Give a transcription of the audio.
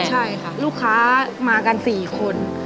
ใช่ค่ะลูกค้ามากัน๔คน